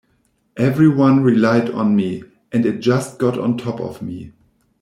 Everyone relied on me, and it just got on top of me.